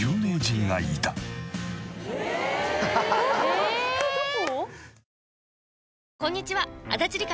えっどこ？